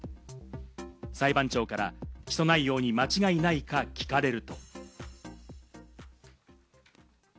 裁判長から起訴内容に間違いないか聞かれると。